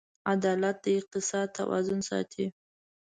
عدالت د اقتصاد توازن ساتي.